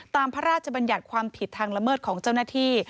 พระราชบัญญัติความผิดทางละเมิดของเจ้าหน้าที่